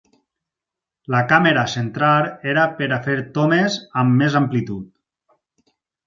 La càmera centrar era per a fer tomes amb més amplitud.